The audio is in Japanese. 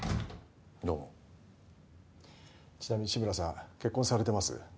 どうもちなみに志村さん結婚されてます？